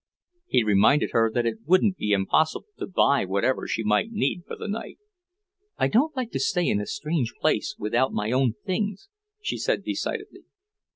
He reminded her that it wouldn't be impossible to buy whatever she might need for the night. "I don't like to stay in a strange place without my own things," she said decidedly.